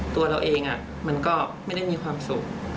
ตัวเราเองมันก็ไม่ได้มีความสุข